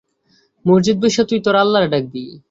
মসজিদে বইস্যা তুই তোর আল্লাহরে ডাকবি।